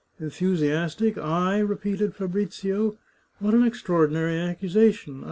" Enthusiastic ! I !" repeated Fabrizio. " What an ex traordinary accusation!